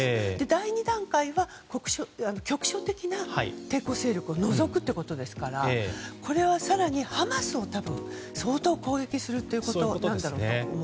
第２段階は局所的な抵抗勢力を除くということですからこれは更にハマスを相当攻撃するということなんだろうと。